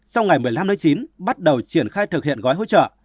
sau ngày một mươi năm tháng chín bắt đầu triển khai thực hiện gói hỗ trợ